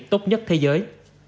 tốt nhất thế giới